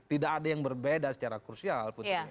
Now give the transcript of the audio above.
tidak ada yang berbeda secara krusial putri